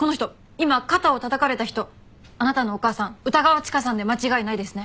今肩をたたかれた人あなたのお母さん歌川チカさんで間違いないですね？